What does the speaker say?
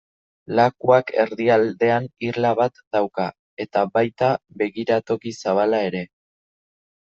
Lakuak erdialdean irla bat dauka, eta baita begiratoki zabala ere.